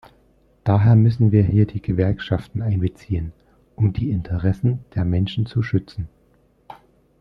Daher müssen wir hier die Gewerkschaften einbeziehen, um die Interessen der Menschen zu schützen.